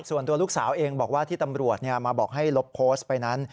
ส่วนตัวลูกสาวเองบอกว่าที่ตำรวจมาบอกให้ลบโพสต์ไปนั้น